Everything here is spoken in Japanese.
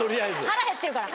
腹へってるから。